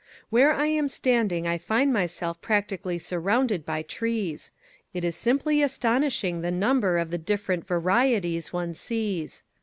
Where I am standing I find myself practically surrounded by trees, It is simply astonishing the number of the different varieties one sees.